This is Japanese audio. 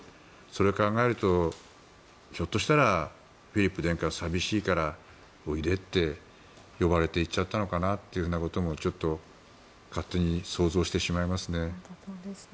それを考えるとひょっとしたらフィリップ殿下、寂しいからおいでって呼ばれて行っちゃったのかなとかちょっと勝手に想像してしまいますね。